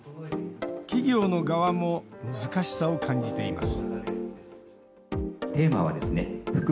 企業の側も難しさを感じています